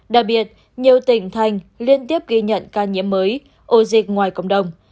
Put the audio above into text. đặc biệt nhiều tỉnh thành liên tiếp ghi nhận ca nhiễm mới ổ dịch ngoài cộng đồng